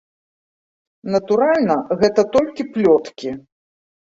Натуральна, гэта толькі плёткі.